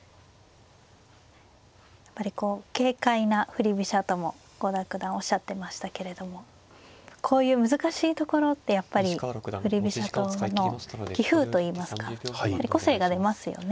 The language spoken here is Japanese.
やっぱりこう軽快な振り飛車とも郷田九段おっしゃってましたけれどもこういう難しいところってやっぱり振り飛車党の棋風といいますか個性が出ますよね。